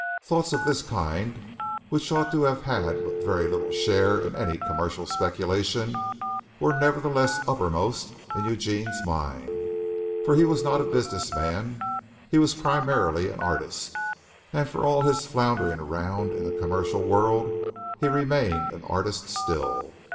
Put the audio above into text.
Thoughts of this kind, which ought to have had but very little share in any commercial speculation, were nevertheless uppermost in Eugene's mind; for he was not a business man he was primarily an artist, and for all his floundering round in the commercial world he remained an artist still.